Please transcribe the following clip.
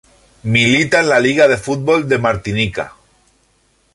Milita en la Liga de Fútbol de Martinica.